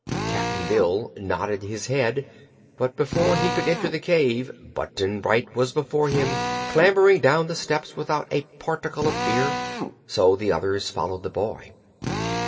Cap'n Bill nodded his head, but before he could enter the cave, Button Bright was before him, clambering down the steps without a particle of fear. So the others followed the boy.